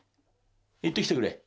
行ってきてくれ。